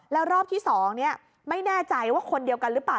แล้วรอบที่๒ไม่แน่ใจว่าคนเดียวกันหรือเปล่า